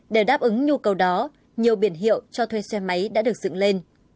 để đáp ứng nhu cầu đó nhiều biển hiệu cho thuê xe máy đã được dựng lên